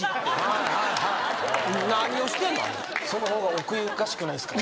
あれそのほうが奥ゆかしくないですか？